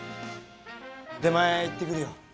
出前行ってくるよ。